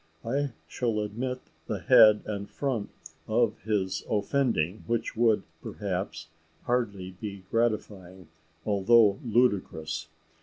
I shall omit the head and front of his offending, which would, perhaps, hardly be gratifying, although ludicrous.